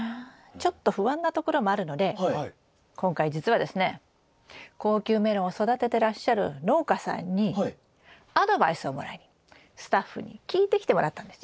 ちょっと不安なところもあるので今回実はですね高級メロンを育ててらっしゃる農家さんにアドバイスをもらいにスタッフに聞いてきてもらったんですよ。